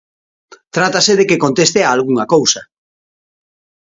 Trátase de que conteste a algunha cousa.